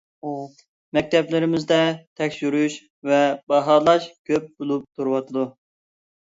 مەكتەپلىرىمىزدە تەكشۈرۈش ۋە باھالاش كۆپ بولۇپ تۇرۇۋاتىدۇ.